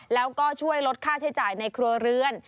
แล้วก็ช่วยลดค่าใช้จ่ายในครัวเรือน